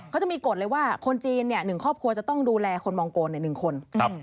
เขาจะมีกฎเลยว่าคนจีน๑ครอบครัวจะต้องดูแลคนมองโกน๑คน